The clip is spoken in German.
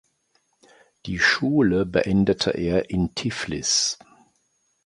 Die Schule beendete er in Tiflis.